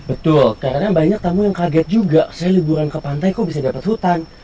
betul kayaknya banyak tamu yang kaget juga saya liburan ke pantai kok bisa dapat hutan